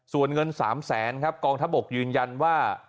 ส่วนเงิน๓แสนครับกองทัพบกยืนยันว่า